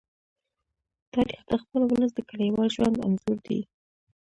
تاریخ د خپل ولس د کلیوال ژوند انځور دی.